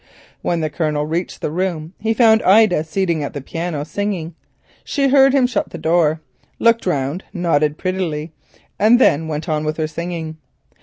When the Colonel reached the room, he found Ida seated at the piano, singing. She heard him shut the door, looked round, nodded prettily, and then went on with her singing.